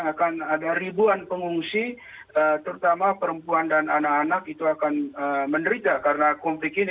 akan ada ribuan pengungsi terutama perempuan dan anak anak itu akan menderita karena konflik ini